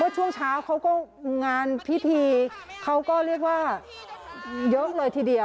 ช่วงเช้าเขาก็งานพิธีเขาก็เรียกว่าเยอะเลยทีเดียว